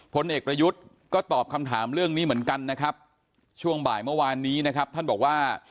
ผลเอกประยุทธ์ก็ตอบคำถามเรื่องนี้เหมือนกันนะครับช่วงบ่ายเมื่อวานนี้นะครับท่านบอกว่า